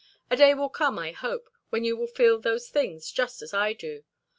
A day will come, I hope, when you will feel those things just as I do.